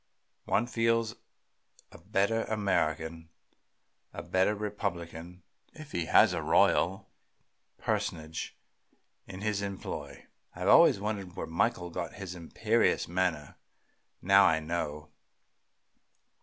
One feels a better American, a better Republican, if he has a royal personage in his employ. I always wondered where Michael got his imperious manner; now I know.